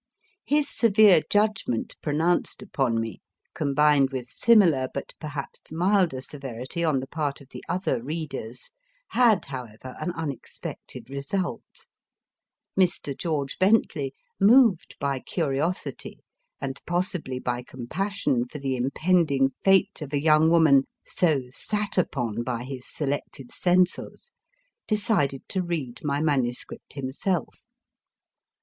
His severe judgment pronounced upon me, combined with similar, but perhaps milder, severity on the part of the other readers, had, however, an unexpected result. Mr. George Bentley, moved by curiosity, and possibly by com passion for the impending fate of a young woman so sat upon by his selected censors, decided to read my MS. himself.